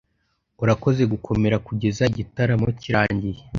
Urakoze gukomera kugeza igitaramo kirangiye.